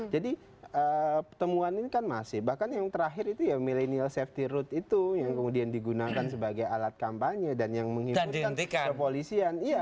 jadi temuan ini kan masih bahkan yang terakhir itu ya millennial safety route itu yang kemudian digunakan sebagai alat kampanye dan yang menghitungkan polisian